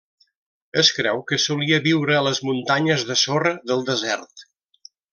Es creu que solia viure a les muntanyes de sorra del desert.